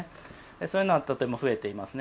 そういうのはとても増えていますね。